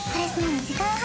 ２時間半